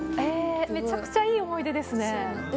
めちゃくちゃいい思い出ですそうなんです。